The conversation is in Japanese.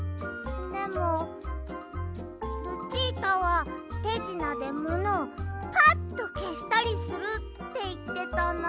でもルチータはてじなでものをパッとけしたりするっていってたな。